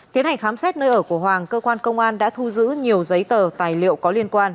tiến hành khám xét nơi ở của hoàng cơ quan công an đã thu giữ nhiều giấy tờ tài liệu có liên quan